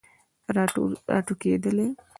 راټوکیدلې